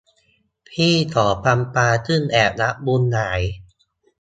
พี่ของจำปาซึ่งแอบรักบุญหลาย